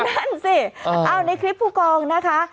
นั่นสิเอาในคลิปผู้กองนะคะ